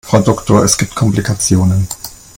Frau Doktor, es gibt Komplikationen.